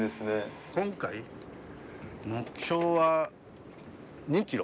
今回目標は２キロ。